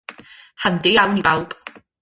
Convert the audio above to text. Handi iawn i bawb.